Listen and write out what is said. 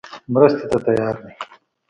مرستې ته تیار دی.